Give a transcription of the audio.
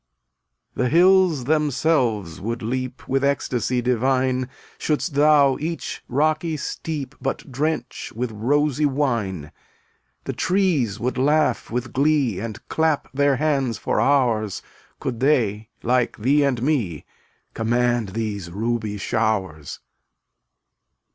259 The hills themselves would leap With ecstasy divine Shouldst thou each rocky steep But drench with rosy wine. The trees would laugh with glee And clap their hands for hours Could they, like thee and me, Command these ruby showers.